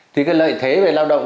thì cái lợi thế về lao động